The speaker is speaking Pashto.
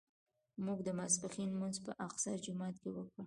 موږ د ماسپښین لمونځ په اقصی جومات کې وکړ.